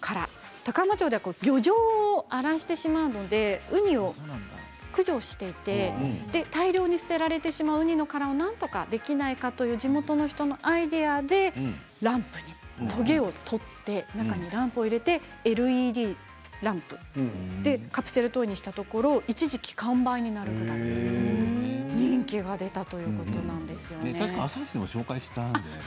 高浜町では漁場を荒らしてしまうのでウニを駆除していて大量に捨てられてしまうウニの殻を、なんとかできないかという地元の人のアイデアでトゲを取ってランプを入れてＬＥＤランプでカプセルトイにしたところ一時期完売になる程の人気だったということです。